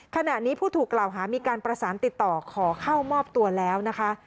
ขณะนี้ผู้ถูกกล่าวหามีการประสานติดต่อขอเข้ามอบตัวแล้วนะคะ